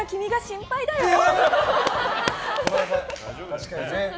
確かにね。